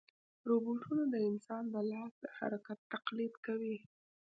روبوټونه د انسان د لاس د حرکت تقلید کوي.